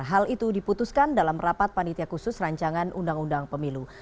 hal itu diputuskan dalam rapat panitia khusus rancangan undang undang pemilu